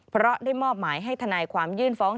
เพราะได้มอบหมายให้ทนายความยื่นฟ้อง